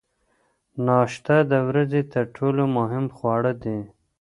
ناشته د ورځې تر ټولو مهم خواړه دي.